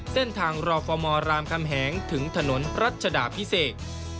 เส้นทางรอฟอร์มอรามคำแหงถึงถนนรัชดาพิเศษ